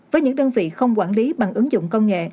với những đơn vị không quản lý bằng ứng dụng công nghệ